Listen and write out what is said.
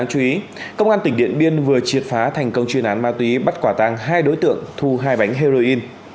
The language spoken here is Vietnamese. công an tỉnh điện biên vừa triệt phá thành công chuyên án ma túy bắt quả tàng hai đối tượng thu hai bánh heroin